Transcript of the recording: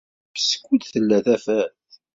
Ṛuḥ skud tella tafat.